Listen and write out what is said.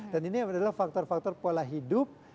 dan ini adalah faktor faktor pola hidup